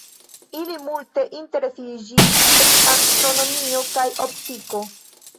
Ili multe interesiĝis pri astronomio kaj optiko.